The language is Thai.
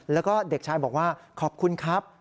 แล้วก็เด็กชายบอกว่าขอบคุณครับ